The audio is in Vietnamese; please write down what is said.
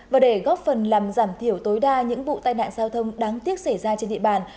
và để góp phần làm giảm thiểu tối đa những vụ tai nạn giao thông đáng tiếc xảy ra trên địa bàn